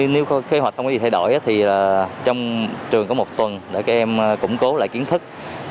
nếu có kế hoạch không có gì thay đổi thì trong trường có một tuần để các em củng cố lại kiến thức